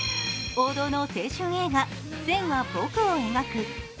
王道の青春映画「線は、僕を描く」。